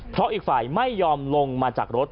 เพราะอีกฝ่ายไม่ยอมลงมาจากรถ